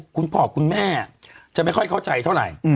คุณพ่อคุณแม่จะไม่ค่อยเข้าใจเท่าไหร่